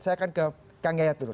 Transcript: saya akan ke kang yayat dulu